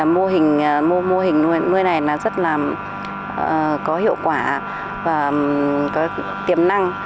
mô hình nuôi này rất là có hiệu quả và tiềm năng